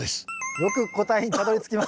よく答えにたどりつきました。